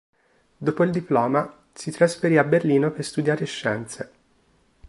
Dopo il diploma, si trasferì a Berlino per studiare scienze.